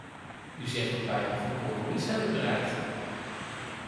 U zegt dat wij een goed compromis hebben bereikt.